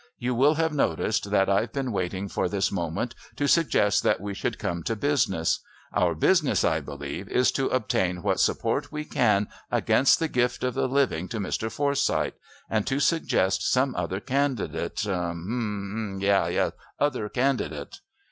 You will have noticed that I've been waiting for this moment to suggest that we should come to business. Our business, I believe, is to obtain what support we can against the gift of the living to Mr. Forsyth and to suggest some other candidate...hum, haw...yes, other candidate."